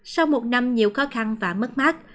sau một năm nhiều khó khăn và mất mát